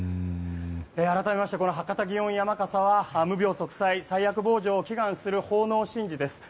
改めまして博多祇園山笠は無病息災災厄防除を祈願する奉納神事です。